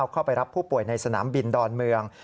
เข้าไปรับผู้ป่วยในสนามบินดอนเมือง